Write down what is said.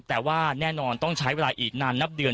แต่ว่าแน่นอนต้องใช้เวลาอีกนานนับเดือน